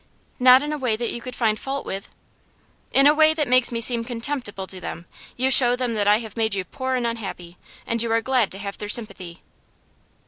'Not in a way that you could find fault with.' 'In a way that makes me seem contemptible to them. You show them that I have made you poor and unhappy, and you are glad to have their sympathy.